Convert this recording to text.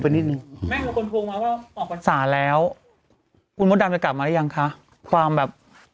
แม่งก็ค้นทวงมาว่าออกศาลแล้วอุณโมดามจะกลับมาได้ยังคะความแบบ